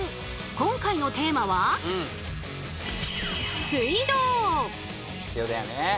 今回のテーマは必要だよね。